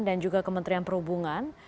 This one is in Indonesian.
dan juga kementerian perhubungan